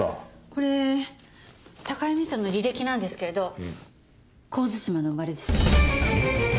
これ高井美佐の履歴なんですけれど神津島の生まれです。何！？